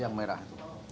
yang merah itu